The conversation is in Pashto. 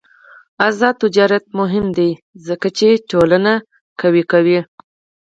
آزاد تجارت مهم دی ځکه چې ټولنه قوي کوي.